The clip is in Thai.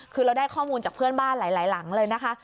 คือเราได้ข้อมูลจากเพื่อนบ้านหลายหลังเลยนะคะ